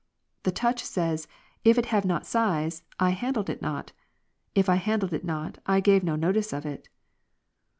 The touch says, " if it have not size, I handled it not ; if I handled it not, I gave no notice of it."